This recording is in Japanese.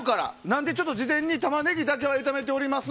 事前にタマネギだけは炒めています。